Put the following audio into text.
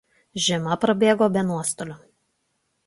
Žiema prabėgo be nuostolių.